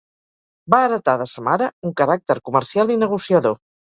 Va heretar de sa mare un caràcter comercial i negociador.